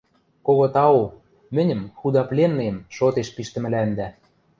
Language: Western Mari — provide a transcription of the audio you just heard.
Кого тау, мӹньӹм, худа пленныйым, шотеш пиштӹмӹлӓндӓ...